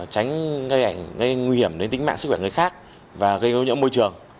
tránh gây nguy hiểm đến tính mạng sức khỏe người khác và gây ưu nhiễm môi trường